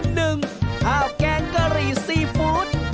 ข้าวแกงกะหรี่ซีฟู้ด